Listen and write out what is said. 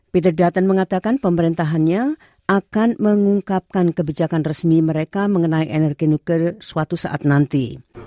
peter dutton mengatakan pemerintahannya akan mengungkapkan kebijakan resmi mereka mengenai energi nuker suatu saat nanti